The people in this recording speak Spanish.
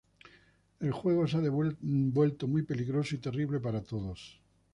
El juego se ha vuelto muy peligroso y terrible para todos.